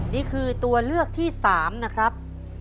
นี่คือตัวเลือกที่๓นะครับ